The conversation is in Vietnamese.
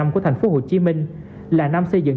của thành phố hồ chí minh là năm xây dựng